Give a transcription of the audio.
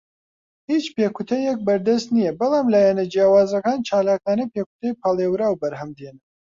هیچ پێکوتەیەک بەردەست نییە، بەڵام لایەنە جیاوازەکان چالاکانە پێکوتەی پاڵێوراو بەرهەم دەهێنن.